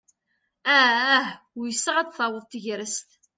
Ah! Uysaɣ ad taweḍ tegrest.